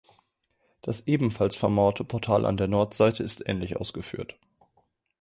Das ebenfalls vermauerte Portal an der Nordseite ist ähnlich ausgeführt.